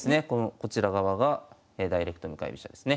こちら側がダイレクト向かい飛車ですね。